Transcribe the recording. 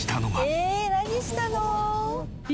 ええ何したの？